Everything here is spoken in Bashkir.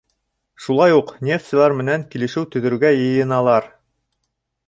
Шулай уҡ нефтселәр менән килешеү төҙөргә йыйыналар.